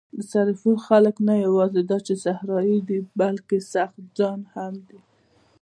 د سرپل خلک نه یواځې دا چې صحرايي دي، بلکې سخت جان هم دي.